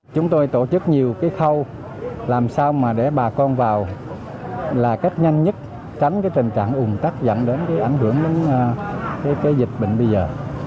chúng tôi tổ chức nhiều cái khâu làm sao mà để bà con vào là cách nhanh nhất tránh cái tình trạng ủng tắc dẫn đến cái ảnh hưởng đến cái dịch bệnh bây giờ